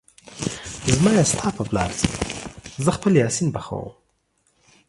زما يې ستا په پلار څه ، زه خپل يا سين پخوم